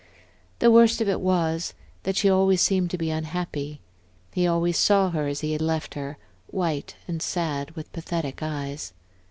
The worst of it was, that she always seemed to be unhappy; he always saw her as he had left her, white and sad, with pathetic eyes.